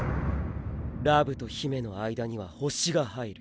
「ラブ」と「ヒメ」の間には星が入る！！